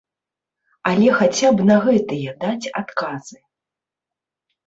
Але хаця б на гэтыя даць адказы.